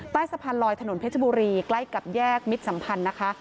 สะพานลอยถนนเพชรบุรีใกล้กับแยกมิตรสัมพันธ์นะคะ